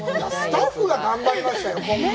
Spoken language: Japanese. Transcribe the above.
スタッフが頑張りましたよ、今回。